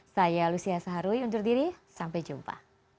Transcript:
saya lucia saharwi undur diri sampai jumpa